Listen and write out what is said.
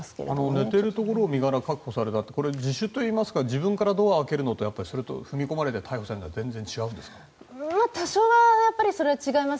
寝ているところを身柄確保されたというのは自首といいますか自分からドアを開けるのと踏み込まれて逮捕されるのとは多少は、違います。